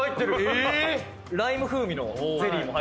ライム風味のゼリーも。